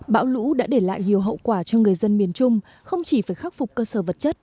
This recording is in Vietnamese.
bão lũ đã để lại nhiều hậu quả cho người dân miền trung không chỉ phải khắc phục cơ sở vật chất